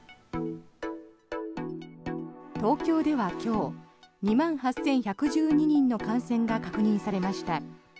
東京では今日２万８１１２人の感染が確認されました。